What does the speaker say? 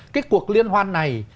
cái cuộc liên hoan này